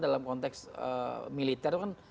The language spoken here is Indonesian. dalam konteks militer itu kan